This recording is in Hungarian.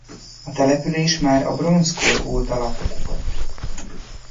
A település már a bronzkor óta lakott volt.